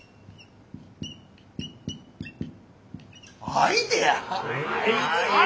アイデア！？